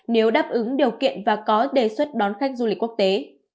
nếu đáp ứng điều kiện và có đề xuất đón khách du lịch quốc tế